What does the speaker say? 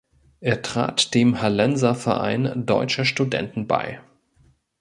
Er trat dem Hallenser Verein Deutscher Studenten bei.